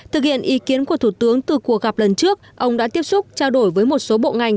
thực hiện ý kiến của thủ tướng từ cuộc gặp lần trước ông đã tiếp xúc trao đổi với một số bộ ngành